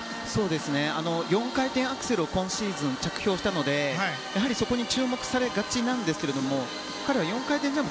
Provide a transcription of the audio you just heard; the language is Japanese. ４回転アクセルを今シーズン着氷したのでやはりそこに注目されがちですが彼は４回転ジャンプ